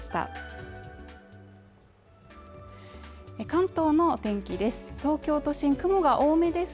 関東のお天気です